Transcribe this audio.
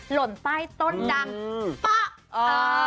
หล่นใต้ต้นดังปะ